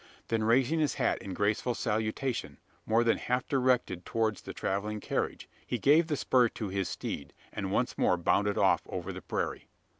Then raising his hat in graceful salutation more than half directed towards the travelling carriage he gave the spur to his steed; and once more bounded off over the prairie.